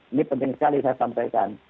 ini penting sekali saya sampaikan